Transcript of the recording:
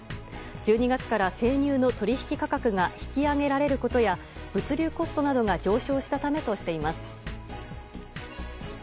１２月から生乳の取引価格が引き上げられることや物流コストなどが上昇したためとしています。